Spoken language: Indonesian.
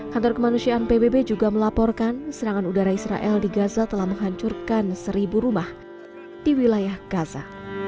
kantor kemanusiaan pbb juga melaporkan serangan udara israel di gaza telah menghancurkan seribu rumah di wilayah gaza